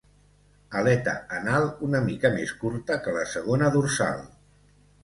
Aleta anal una mica més curta que la segona dorsal.